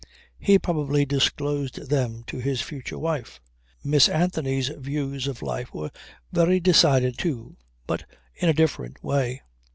He probably disclosed them to his future wife. Miss Anthony's views of life were very decided too but in a different way.